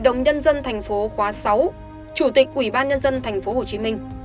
đồng nhân dân tp khoá sáu chủ tịch ủy ban nhân dân tp hcm